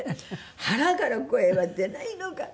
「腹から声は出ないのか！」。